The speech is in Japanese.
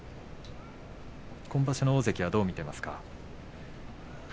今場所の大関をどう見てますか。